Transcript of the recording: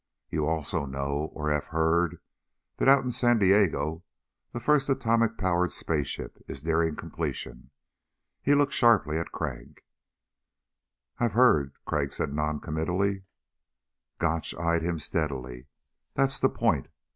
You also know, or have heard, that out in San Diego the first atom powered spaceship is nearing completion." He looked sharply at Crag. "I've heard," Crag said noncommittally. Gotch eyed him steadily. "That's the point.